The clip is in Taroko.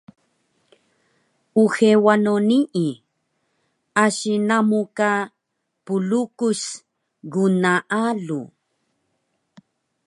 Uxe wano nii, asi namu ka plukus gnaalu